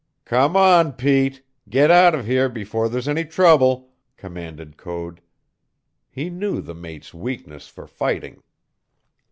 "Come on, Pete; get out of here before there's any trouble," commanded Code. He knew the mate's weakness for fighting.